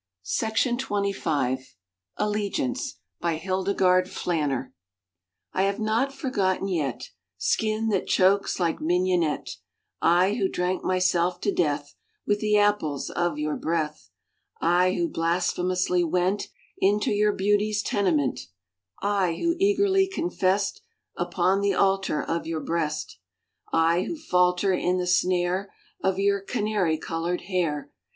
ALLEN WILSON PORTERFIELD ALLEGL\NCE By Hildegarde Planner I HAVE not forgotten yet Skin that chokes like mignonette, I who drank myself to death With the apples of your breath, I who blasphemously went Into your beauty's tenement, I who eagerly confessed Upon the altar of your breast. I who falter in the snare Of your canary colored hair.